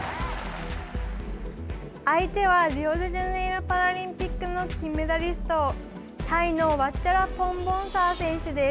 相手は、リオデジャネイロパラリンピックの金メダリストタイのワッチャラポン・ボンサー選手。